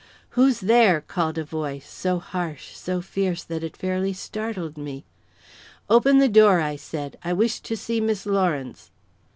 "Who's there?" called a voice, so harsh, so fierce, that it fairly startled me. "Open the door," I said. "I wish to see Miss Lawrence."